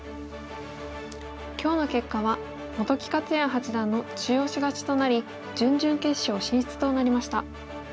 今日の結果は本木克弥八段の中押し勝ちとなり準々決勝進出となりました。